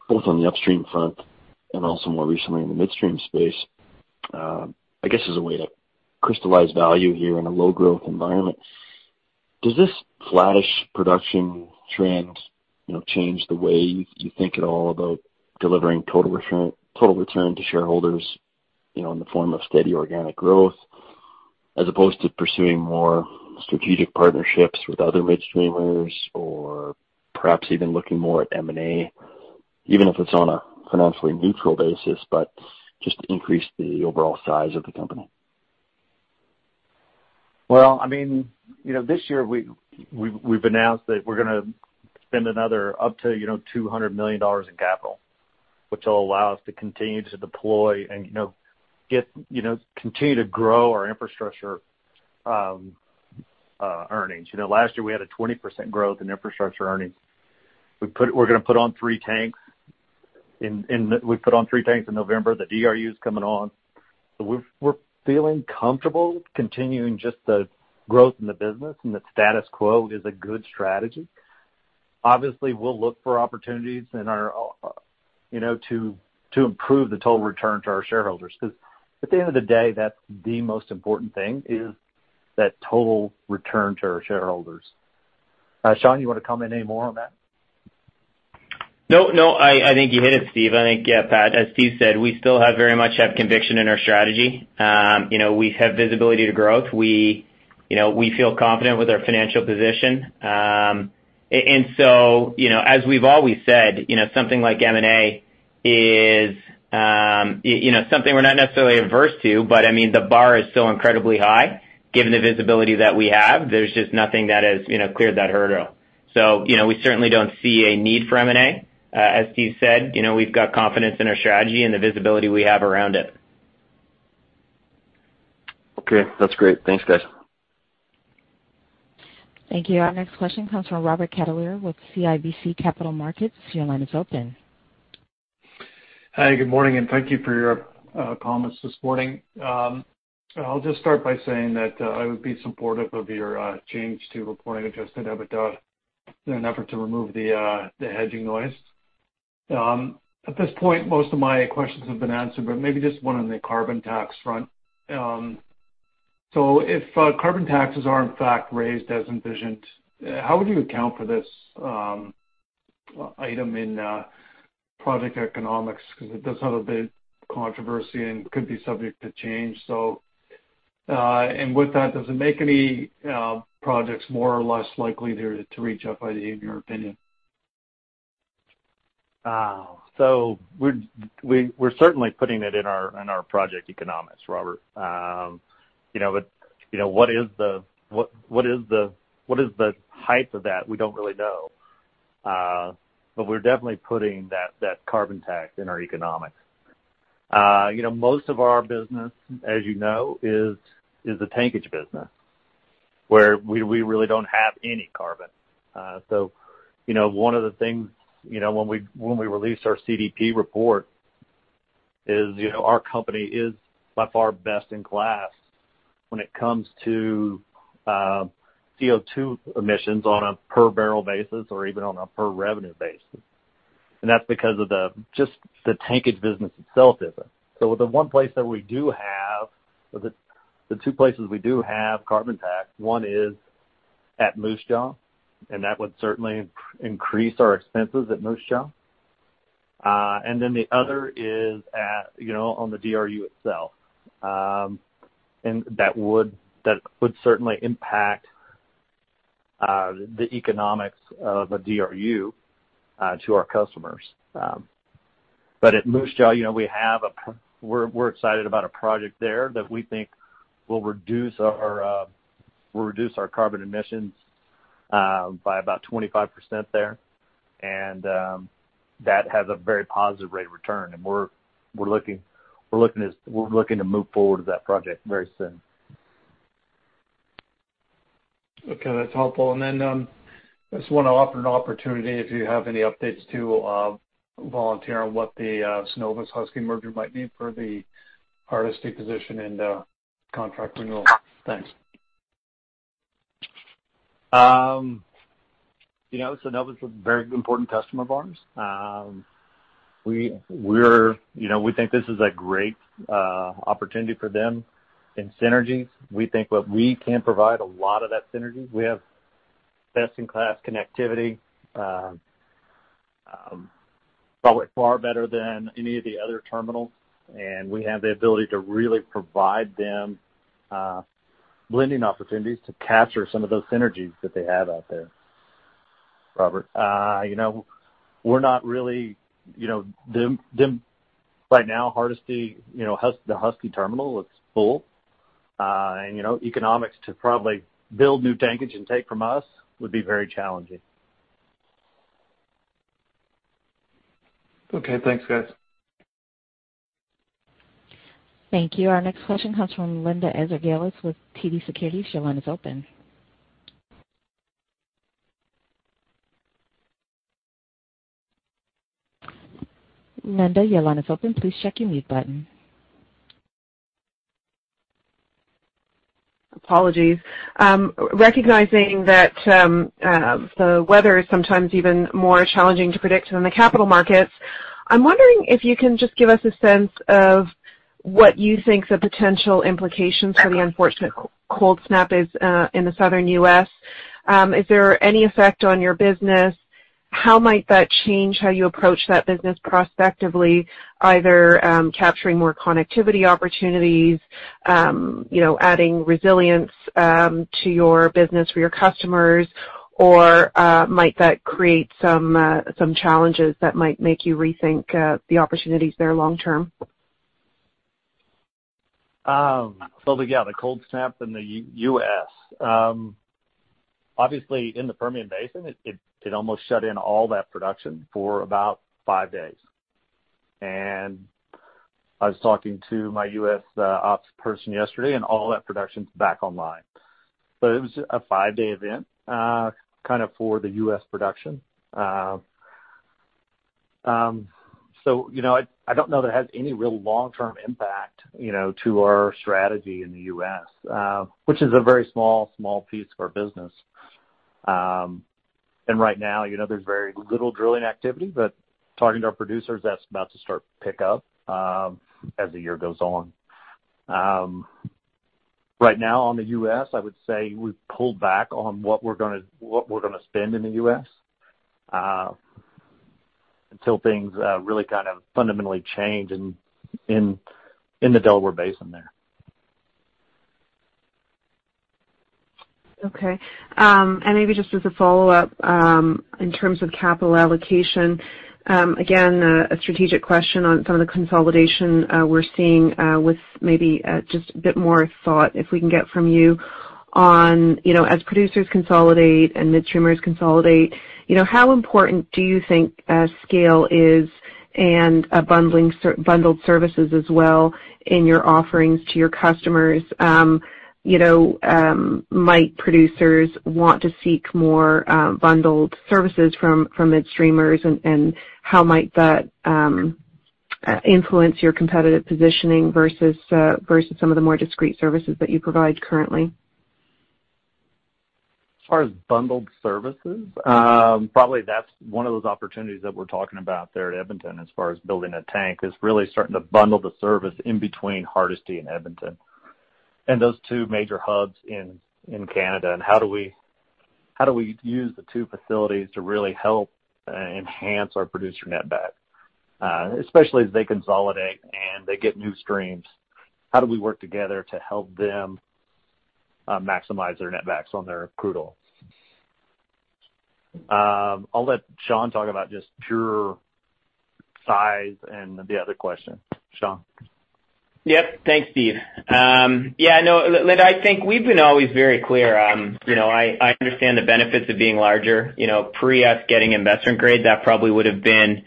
[SPEAKER 8] both on the upstream front and also more recently in the midstream space. I guess as a way to crystallize value here in a low-growth environment, does this flattish production trend change the way you think at all about delivering total return to shareholders in the form of steady organic growth, as opposed to pursuing more strategic partnerships with other midstreamers or perhaps even looking more at M&A, even if it's on a financially neutral basis, but just to increase the overall size of the company?
[SPEAKER 3] This year we've announced that we're going to spend another up to $200 million in capital, which will allow us to continue to deploy and continue to grow our infrastructure earnings. Last year, we had a 20% growth in infrastructure earnings. We're going to put on three tanks. We put on three tanks in November. The DRU is coming on. We're feeling comfortable continuing just the growth in the business, and the status quo is a good strategy. Obviously, we'll look for opportunities to improve the total return to our shareholders, because at the end of the day, that's the most important thing is that total return to our shareholders. Sean, you want to comment any more on that?
[SPEAKER 4] No, I think you hit it, Steve. I think, yeah, Pat, as Steve said, we still very much have conviction in our strategy. We have visibility to growth. We feel confident with our financial position. As we've always said, something like M&A is something we're not necessarily averse to, but the bar is so incredibly high given the visibility that we have. There's just nothing that has cleared that hurdle. We certainly don't see a need for M&A. As Steve said, we've got confidence in our strategy and the visibility we have around it.
[SPEAKER 8] Okay. That's great. Thanks, guys.
[SPEAKER 1] Thank you. Our next question comes from Robert Catellier with CIBC Capital Markets. Your line is open.
[SPEAKER 9] Hi, good morning, and thank you for your comments this morning. I'll just start by saying that I would be supportive of your change to reporting adjusted EBITDA in an effort to remove the hedging noise. At this point, most of my questions have been answered, but maybe just one on the carbon tax front. If carbon taxes are in fact raised as envisioned, how would you account for this item in project economics? Because it does have a bit of controversy and could be subject to change. And with that, does it make any projects more or less likely to reach FID, in your opinion?
[SPEAKER 3] We're certainly putting it in our project economics, Robert. What is the height of that? We don't really know. We're definitely putting that carbon tax in our economics. Most of our business, as you know, is the tankage business, where we really don't have any carbon. One of the things when we released our CDP report is our company is by far best in class when it comes to CO2 emissions on a per-barrel basis or even on a per-revenue basis. That's because of just the tankage business itself. The two places we do have carbon tax, one is at Moose Jaw, and that would certainly increase our expenses at Moose Jaw. The other is on the DRU itself. That would certainly impact the economics of a DRU to our customers. But at Moose Jaw, we're excited about a project there that we think will reduce our carbon emissions by about 25% there. That has a very positive rate of return, and we're looking to move forward with that project very soon.
[SPEAKER 9] Okay, that's helpful. I just want to offer an opportunity, if you have any updates too, volunteer on what the Cenovus Husky merger might mean for the Hardisty position and contract renewal. Thanks.
[SPEAKER 3] Cenovus is a very important customer of ours. We think this is a great opportunity for them in synergies. We think what we can provide a lot of that synergy. We have best-in-class connectivity, probably far better than any of the other terminals, and we have the ability to really provide them blending opportunities to capture some of those synergies that they have out there, Robert. Right now, Hardisty, the Husky terminal is full. Economics to probably build new tankage and take from us would be very challenging.
[SPEAKER 9] Okay. Thanks, guys.
[SPEAKER 1] Thank you. Our next question comes from Linda Ezergailis with TD Securities.
[SPEAKER 10] Apologies. Recognizing that the weather is sometimes even more challenging to predict than the capital markets, I'm wondering if you can just give us a sense of what you think the potential implications for the unfortunate cold snap is in the Southern U.S. Is there any effect on your business? How might that change how you approach that business prospectively, either capturing more connectivity opportunities, adding resilience to your business for your customers, or might that create some challenges that might make you rethink the opportunities there long term?
[SPEAKER 3] Yeah, the cold snap in the U.S. Obviously, in the Permian Basin, it almost shut in all that production for about five days. I was talking to my U.S. ops person yesterday, and all that production's back online. It was a five-day event for the U.S. production. So, I don't know that it has any real long-term impact to our strategy in the U.S. which is a very small piece of our business. Right now, there's very little drilling activity, but talking to our producers, that's about to start pick up as the year goes on. Right now in the U.S., I would say we've pulled back on what we're going to spend in the U.S. until things really fundamentally change in the Delaware Basin there.
[SPEAKER 10] Okay. Maybe just as a follow-up, in terms of capital allocation, again, a strategic question on some of the consolidation we're seeing with maybe just a bit more thought if we can get from you on, as producers consolidate and midstreamers consolidate, how important do you think scale is and bundled services as well in your offerings to your customers? Might producers want to seek more bundled services from mistreamers, and how might that influence your competitive positioning versus some of the more discrete services that you provide currently?
[SPEAKER 3] As far as bundled services, probably that's one of those opportunities that we're talking about there at Edmonton as far as building a tank is really starting to bundle the service in between Hardisty and Edmonton and those two major hubs in Canada. How do we use the two facilities to really help enhance our producer netback, especially as they consolidate and they get new streams? How do we work together to help them maximize their netbacks on their crude oil? I'll let Sean talk about just pure size and the other question. Sean?
[SPEAKER 4] Yep. Thanks, Steve. Yeah, no, Linda, I think we've been always very clear. I understand the benefits of being larger. Pre us getting investment grade, that probably would have been,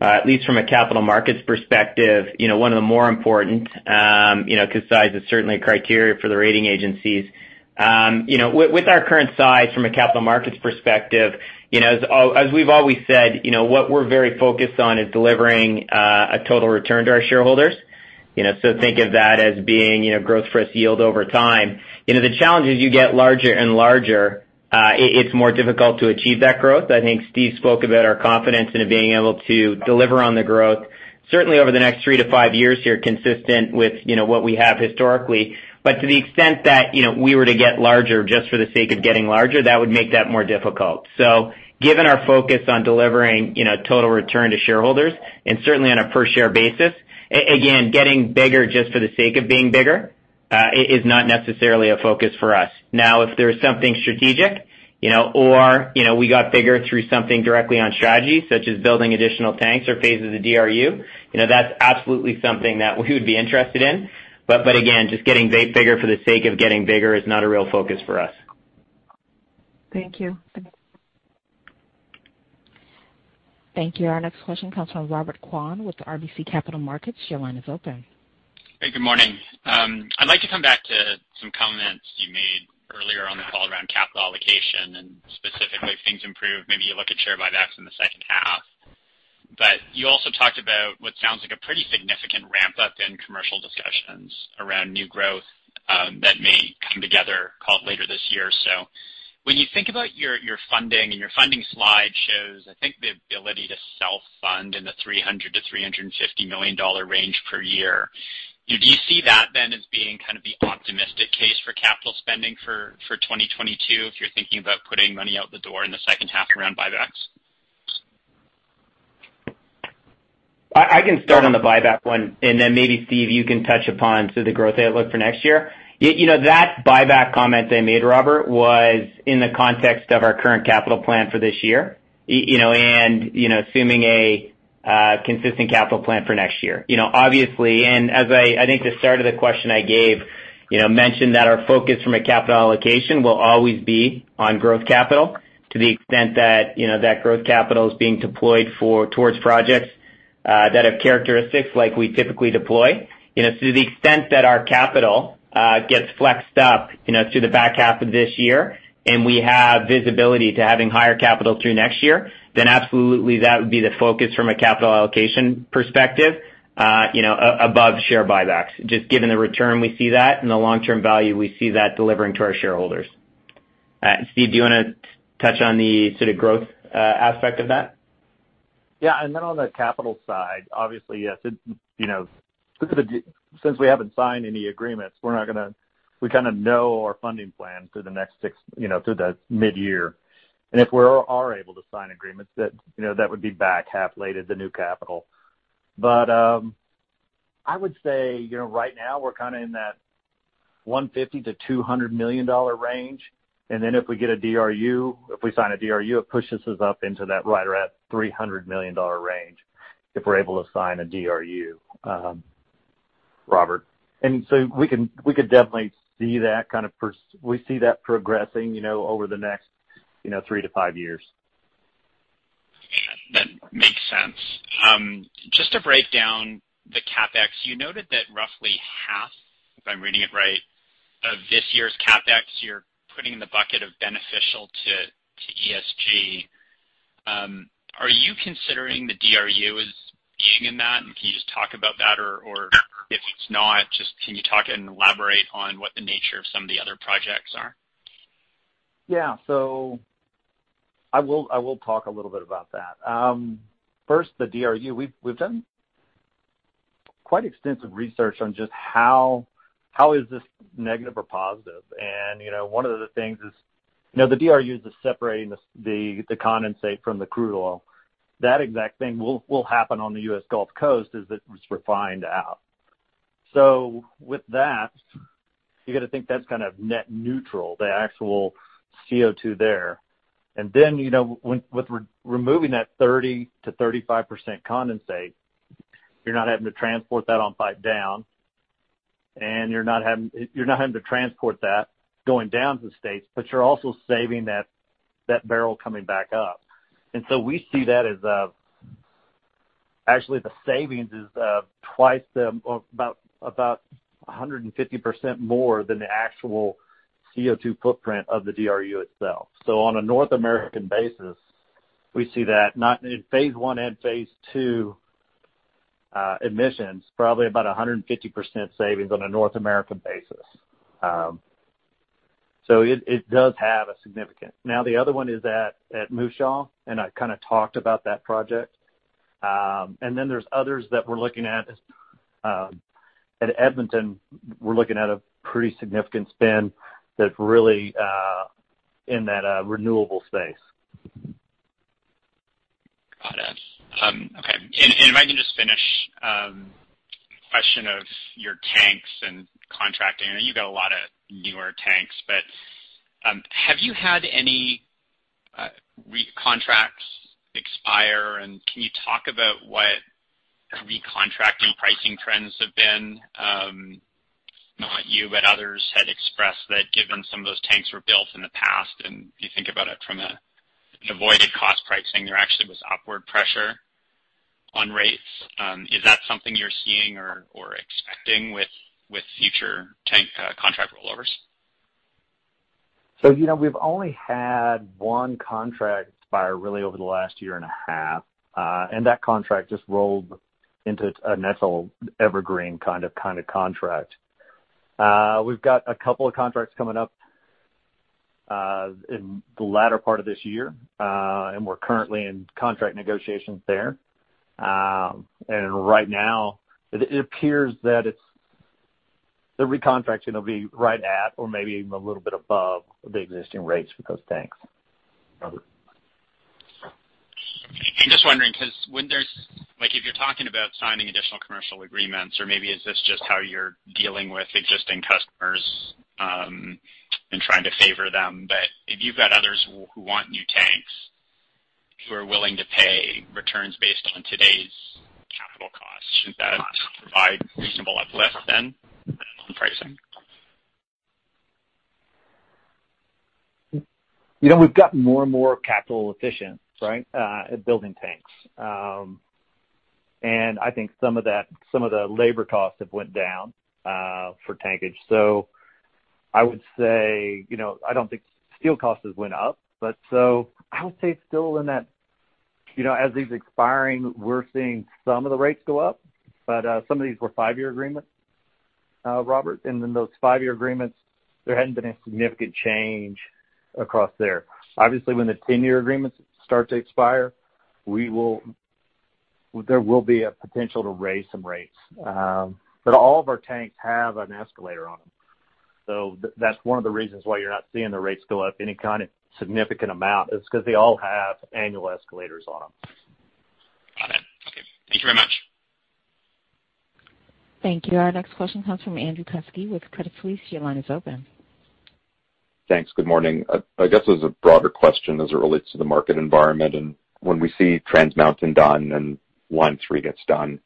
[SPEAKER 4] at least from a capital markets perspective, one of the more important, because size is certainly a criteria for the rating agencies. With our current size from a capital markets perspective, as we've always said, what we're very focused on is delivering a total return to our shareholders. Think of that as being growth for us yield over time. The challenge is you get larger and larger, it's more difficult to achieve that growth. I think Steve spoke about our confidence in being able to deliver on the growth. Certainly over the next three years to five years here, consistent with what we have historically. To the extent that we were to get larger just for the sake of getting larger, that would make that more difficult. Given our focus on delivering total return to shareholders, and certainly on a per share basis, again, getting bigger just for the sake of being bigger is not necessarily a focus for us. Now, if there is something strategic or we got bigger through something directly on strategy, such as building additional tanks or phases of DRU, that's absolutely something that we would be interested in. Again, just getting bigger for the sake of getting bigger is not a real focus for us.
[SPEAKER 10] Thank you.
[SPEAKER 1] Thank you. Our next question comes from Robert Kwan with RBC Capital Markets. Your line is open.
[SPEAKER 11] Hey, good morning. I'd like to come back to some comments you made earlier on the call around capital allocation and specifically if things improve, maybe you look at share buybacks in the second half. You also talked about what sounds like a pretty significant ramp up in commercial discussions around new growth that may come together later this year. When you think about your funding, and your funding slide shows, I think, the ability to self-fund in the $300 million-$350 million range per year. Do you see that then as being kind of the optimistic case for capital spending for 2022 if you're thinking about putting money out the door in the second half around buybacks?
[SPEAKER 4] I can start on the buyback one, and then maybe, Steve, you can touch upon the growth outlook for next year. That buyback comment I made, Robert, was in the context of our current capital plan for this year, and assuming a consistent capital plan for next year. Obviously, and as I think the start of the question I gave, mentioned that our focus from a capital allocation will always be on growth capital to the extent that growth capital is being deployed towards projects that have characteristics like we typically deploy. To the extent that our capital gets flexed up to the back half of this year and we have visibility to having higher capital through next year, then absolutely, that would be the focus from a capital allocation perspective above share buybacks, just given the return we see that and the long-term value we see that delivering to our shareholders. Steve, do you want to touch on the sort of growth aspect of that?
[SPEAKER 3] Yeah. On the capital side, obviously, since we haven't signed any agreements, we kind of know our funding plan through the mid-year. If we are able to sign agreements, that would be back-half weighted, the new capital. I would say, right now we're kind of in that $150 million-$200 million range, if we get a DRU, if we sign a DRU, it pushes us up into that right around $300 million range, if we're able to sign a DRU, Robert. We could definitely see that progressing over the next three to five years.
[SPEAKER 11] That makes sense. Just to break down the CapEx, you noted that roughly half, if I'm reading it right, of this year's CapEx, you're putting in the bucket of beneficial to ESG. Are you considering the DRU as being in that? Can you just talk about that? Or if it's not, just can you talk and elaborate on what the nature of some of the other projects are?
[SPEAKER 3] Yeah. I will talk a little bit about that. First, the DRU. We've done quite extensive research on just how is this negative or positive. One of the things is the DRU is separating the condensate from the crude oil. That exact thing will happen on the U.S. Gulf Coast as it was refined out. With that, you got to think that's kind of net neutral, the actual CO2 there. With removing that 30% -35% condensate, you're not having to transport that on pipe down, and you're not having to transport that going down to the States, but you're also saving that barrel coming back up. We see that as actually the savings is twice about 150% more than the actual CO2 footprint of the DRU itself. On a North American basis, we see that in phase one and phase two emissions, probably about 150% savings on a North American basis. It does have a significance. The other one is at Moose Jaw, I kind of talked about that project. There's others that we're looking at. At Edmonton, we're looking at a pretty significant spend that's really in that renewable space.
[SPEAKER 11] Got it. Okay. If I can just finish. Question of your tanks and contracting. I know you got a lot of newer tanks, but have you had any recontracts expire? Can you talk about what re-contracting pricing trends have been? Not you, but others had expressed that given some of those tanks were built in the past, and if you think about it from an avoided cost pricing, there actually was upward pressure on rates. Is that something you're seeing or expecting with future tank contract rollovers?
[SPEAKER 3] We've only had one contract expire really over the last year and a half. That contract just rolled into a evergreen kind of contract. We've got a couple of contracts coming up in the latter part of this year, and we're currently in contract negotiations there. Right now, it appears that the re-contracting will be right at or maybe even a little bit above the existing rates for those tanks, Robert.
[SPEAKER 11] I'm just wondering because if you're talking about signing additional commercial agreements or maybe is this just how you're dealing with existing customers and trying to favor them, but if you've got others who want new tanks who are willing to pay returns based on today's capital costs, shouldn't that provide reasonable uplift then on pricing? We've got more and more capital efficient at building tanks. I think some of the labor costs have went down for tankage. I would say, I don't think steel costs went up, but so I would say it's still in that as these expiring, we're seeing some of the rates go up. Some of these were five-year agreements, Robert, and then those five-year agreements, there hadn't been a significant change across there. Obviously, when the 10-year agreements start to expire, there will be a potential to raise some rates. All of our tanks have an escalator on them. That's one of the reasons why you're not seeing the rates go up any kind of significant amount, is because they all have annual escalators on them. Got it. Okay. Thank you very much.
[SPEAKER 1] Thank you. Our next question comes from Andrew Kuske with Credit Suisse. Your line is open.
[SPEAKER 12] Thanks. Good morning. I guess as a broader question as it relates to the market environment, when we see Trans Mountain done and Line 3 gets done,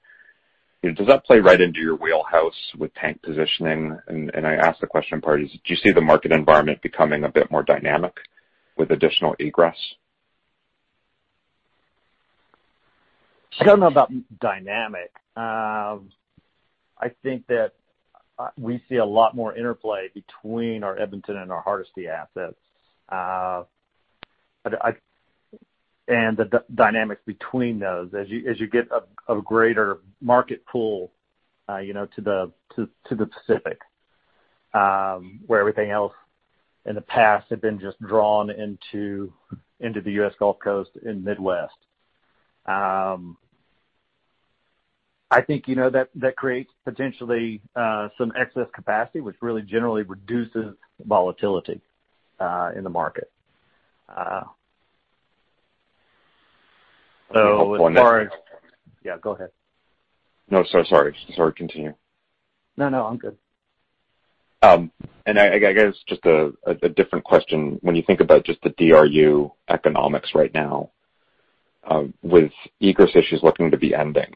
[SPEAKER 12] does that play right into your wheelhouse with tank positioning? I ask the question in part is, do you see the market environment becoming a bit more dynamic with additional egress?
[SPEAKER 3] I don't know about dynamic. I think that we see a lot more interplay between our Edmonton and our Hardisty assets. The dynamics between those, as you get a greater market pull to the Pacific, where everything else in the past had been just drawn into the U.S. Gulf Coast and Midwest. I think that creates potentially some excess capacity, which really generally reduces volatility in the market. Yeah, go ahead.
[SPEAKER 12] No, sorry. Sorry. Sorry, continue. No, I'm good. I guess just a different question. When you think about just the DRU economics right now, with egress issues looking to be ending,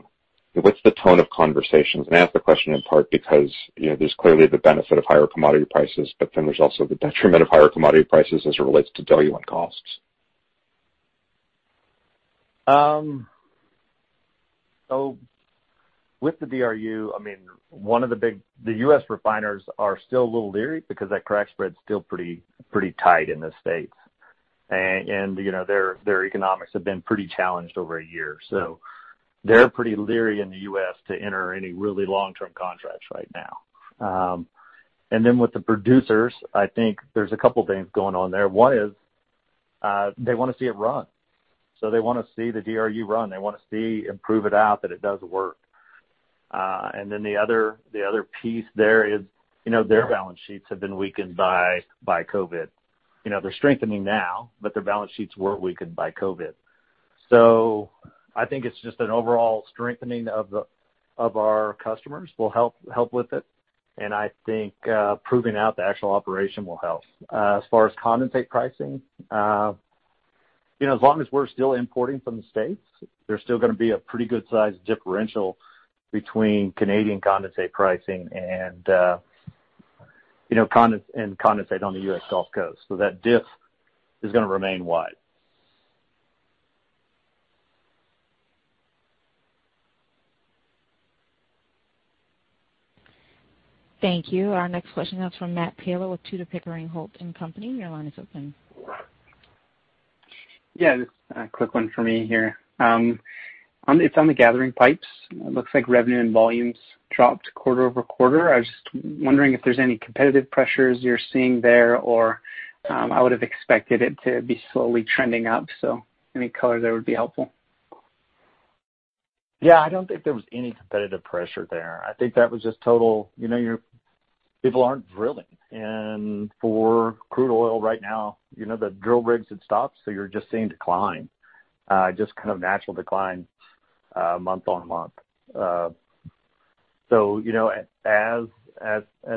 [SPEAKER 12] what's the tone of conversations? I ask the question in part because there's clearly the benefit of higher commodity prices, but then there's also the detriment of higher commodity prices as it relates to WCS costs.
[SPEAKER 3] With the DRU, the U.S. refiners are still a little leery because that crack spread is still pretty tight in the U.S. Their economics have been pretty challenged over a year. They're pretty leery in the U.S. to enter any really long-term contracts right now. Then, with the producers, I think there's a couple things going on there. One is, they want to see it run. They want to see the DRU run. They want to see and prove it out that it does work. The other piece there is their balance sheets have been weakened by COVID. They're strengthening now, but their balance sheets were weakened by COVID. I think it's just an overall strengthening of our customers will help with it, and I think proving out the actual operation will help. As far as condensate pricing, as long as we're still importing from the U.S., there's still going to be a pretty good size differential between Canadian condensate pricing and condensate on the U.S. Gulf Coast. That diff is going to remain wide.
[SPEAKER 1] Thank you. Our next question comes from Matt Portillo with Tudor, Pickering, Holt & Co. Your line is open.
[SPEAKER 13] Yeah, just a quick one for me here. It's on the gathering pipes. It looks like revenue and volumes dropped quarter-over-quarter. I was just wondering if there's any competitive pressures you're seeing there or I would have expected it to be slowly trending up, so any color there would be helpful.
[SPEAKER 3] Yeah, I don't think there was any competitive pressure there. I think that was just people aren't drilling for crude oil right now, the drill rigs had stopped, you're just seeing decline. Just kind of natural decline month-on-month. As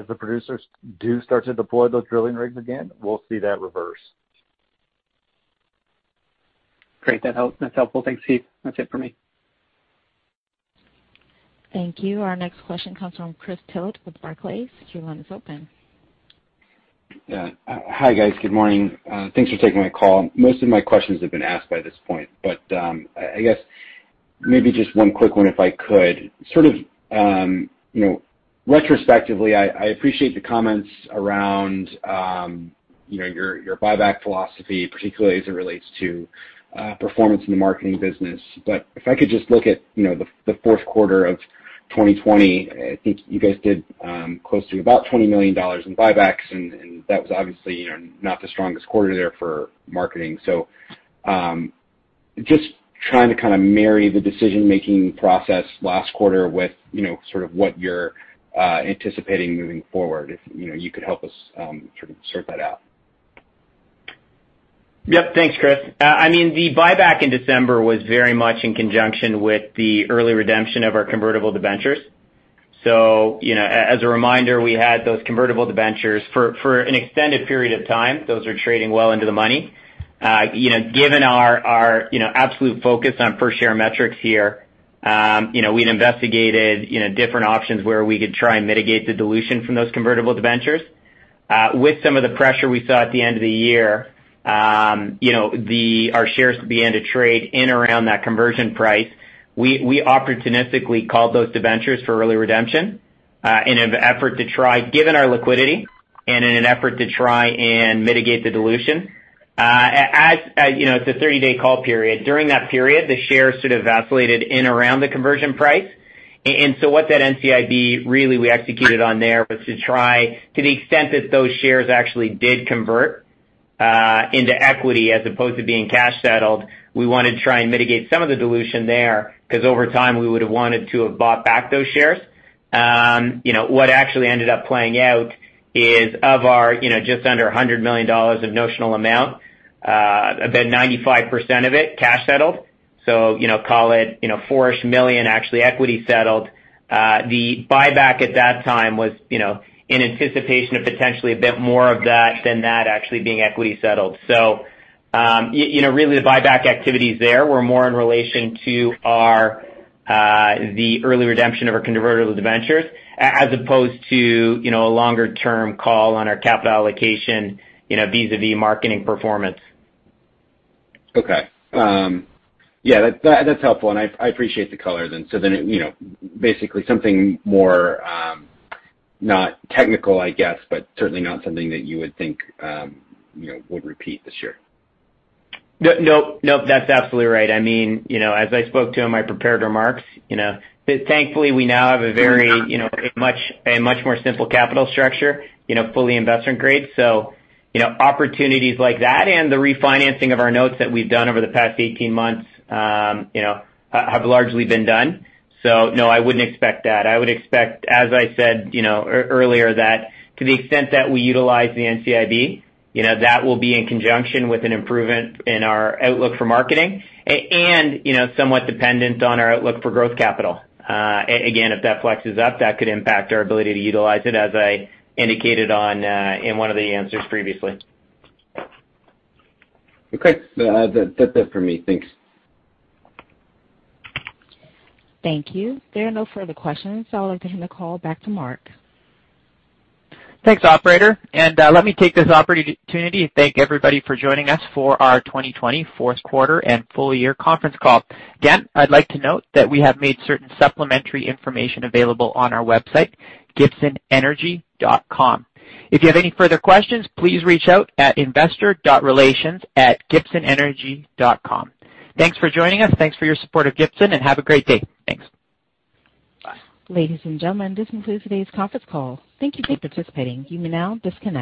[SPEAKER 3] the producers do start to deploy those drilling rigs again, we'll see that reverse.
[SPEAKER 13] Great. That's helpful. Thanks, Steve. That's it for me.
[SPEAKER 1] Thank you. Our next question comes from Chris Todd with Barclays.
[SPEAKER 14] Hi, guys. Good morning. Thanks for taking my call. Most of my questions have been asked by this point. I guess maybe just one quick one if I could. Sort of retrospectively, I appreciate the comments around your buyback philosophy, particularly as it relates to performance in the marketing business. If I could just look at the fourth quarter of 2020, I think you guys did close to about $20 million in buybacks. That was obviously not the strongest quarter there for marketing. Just trying to kind of marry the decision-making process last quarter with sort of what you're anticipating moving forward, if you could help us sort of sort that out.
[SPEAKER 4] Yep. Thanks, Chris. The buyback in December was very much in conjunction with the early redemption of our convertible debentures. As a reminder, we had those convertible debentures for an extended period of time. Those are trading well into the money. Given our absolute focus on per-share metrics here, we'd investigated different options where we could try and mitigate the dilution from those convertible debentures. With some of the pressure we saw at the end of the year, our shares began to trade in around that conversion price. We opportunistically called those debentures for early redemption in an effort to try, given our liquidity, and in an effort to try and mitigate the dilution. It's a 30-day call period. During that period, the shares sort of vacillated in around the conversion price. What that NCIB really executed on there was to try, to the extent that those shares actually did convert into equity as opposed to being cash-settled, we wanted to try and mitigate some of the dilution there, because over time, we would've wanted to have bought back those shares. What actually ended up playing out is of our just under $100 million of notional amount, about 95% of it cash-settled. Call it $4 million actually equity settled. The buyback at that time was in anticipation of potentially a bit more of that than that actually being equity settled. Really the buyback activities there were more in relation to the early redemption of our convertible debentures as opposed to a longer-term call on our capital allocation vis-a-vis marketing performance.
[SPEAKER 14] Okay. Yeah, that's helpful, and I appreciate the color then. Basically something more, not technical, I guess, but certainly not something that you would think would repeat this year.
[SPEAKER 4] Nope. That's absolutely right. I mean, as I spoke to in my prepared remarks, thankfully, we now have a much more simple capital structure, fully investment grade. Opportunities like that and the refinancing of our notes that we've done over the past 18 months have largely been done. No, I wouldn't expect that. I would expect, as I said earlier, that to the extent that we utilize the NCIB, that will be in conjunction with an improvement in our outlook for marketing and somewhat dependent on our outlook for growth capital. Again, if debt flexes up, that could impact our ability to utilize it, as I indicated in one of the answers previously.
[SPEAKER 14] Okay. That's it for me. Thanks.
[SPEAKER 1] Thank you. There are no further questions, so I would like to hand the call back to Mark.
[SPEAKER 2] Thanks, operator. Let me take this opportunity to thank everybody for joining us for our 2020 fourth quarter and full year conference call. I'd like to note that we have made certain supplementary information available on our website, gibsonenergy.com. If you have any further questions, please reach out at investor.relations@gibsonenergy.com. Thanks for joining us. Thanks for your support of Gibson. Have a great day. Thanks. Bye.
[SPEAKER 1] Ladies and gentlemen, this concludes today's conference call. Thank you for participating. You may now disconnect.